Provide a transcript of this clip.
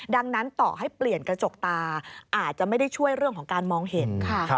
ดังนั้นต่อให้เปลี่ยนกระจกตาอาจจะไม่ได้ช่วยเรื่องของการมองเห็นค่ะ